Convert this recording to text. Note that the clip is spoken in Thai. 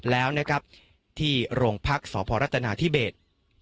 แล้วที่โรงพักษ์สพรัฐนาธิเบต